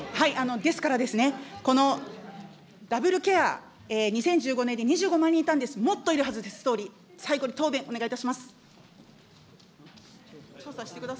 ですからですね、このダブルケア、２０１５年で２５万人いたんです、もっといるはずです、総理、最後に答弁、お願いいたします。